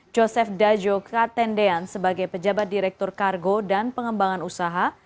joseph dajo katendean sebagai pejabat direktur kargo dan pengembangan usaha